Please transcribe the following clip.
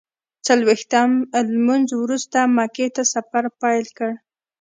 څلویښتم لمونځ وروسته مکې ته سفر پیل کړ.